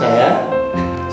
jumpa lagi knives